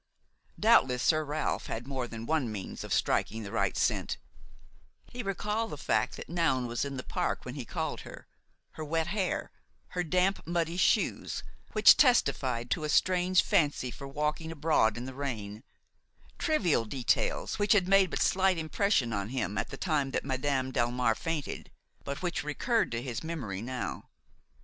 Doubtless Sir Ralph had more than one means of striking the right scent; he recalled the fact that Noun was in the park when he called her, her wet hair, her damp, muddy shoes, which testified to a strange fancy for walking abroad in the rain–trivial details which had made but slight impression on him at the time that Madame Delmare fainted, but which recurred to his memory now.